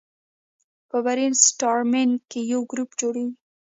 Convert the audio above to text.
په برین سټارمینګ کې یو ګروپ جوړیږي.